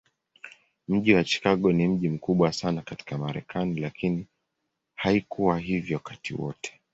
Mji wa Chicago ni mji mkubwa sana katika Marekani, lakini haikuwa hivyo wakati wote.